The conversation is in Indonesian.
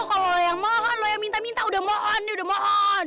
kalau lo yang mohon lo yang minta minta udah mohon nih udah mohon